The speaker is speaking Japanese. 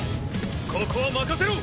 ここは任せろ！